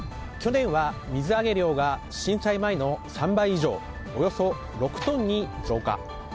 去年は水揚げ量が震災前の３倍以上およそ６トンに増加。